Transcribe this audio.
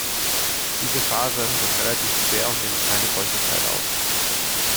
Diese Fasern sind relativ schwer und nehmen keine Feuchtigkeit auf.